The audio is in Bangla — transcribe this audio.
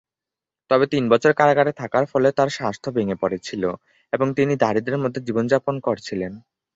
তবে তিন বছর কারাগারে থাকার ফলে তার স্বাস্থ্য ভেঙ্গে পড়েছিল এবং তিনি দারিদ্র্যের মধ্যে জীবনযাপন করছিলেন।